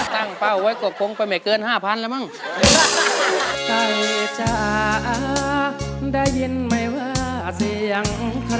ตั้งเป้าไว้กบพงษ์ไปมาอยู่เกิน๕พันแล้วมั้ง